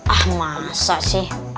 ah masa sih